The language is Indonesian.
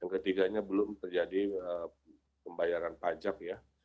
ketiganya belum terjadi pembayaran pajak ya